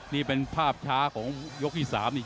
นี่เป็นภาพช้าของยกที่๓นี่